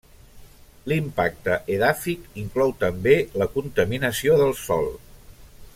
L'impacte edàfic inclou també la contaminació del sòl.